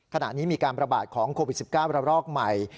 ขณะนี้มีการประบาดของโควิด๑๙ระรอกใหม่